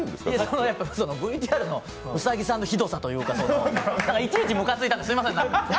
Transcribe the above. ＶＴＲの兎さんのひどさというかいちいちむかついたんで、すみません、何か。